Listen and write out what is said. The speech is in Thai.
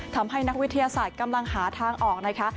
นักวิทยาศาสตร์กำลังหาทางออกนะคะ